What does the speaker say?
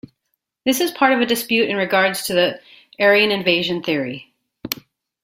This is part of a dispute in regards to the Aryan invasion theory.